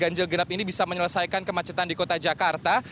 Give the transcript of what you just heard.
ganjil genap ini bisa menyelesaikan kemacetan di kota jakarta